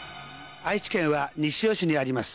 愛知県は西尾市にあります